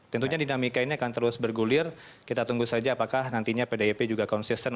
tentunya dinamika ini akan terus bergulir kita tunggu saja apakah nantinya pdip juga konsisten